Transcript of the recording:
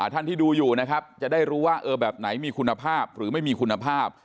ท่านที่ดูอยู่นะครับจะได้รู้ว่าแบบไหนมีคุณภาพหรือไม่มีคุณภาพ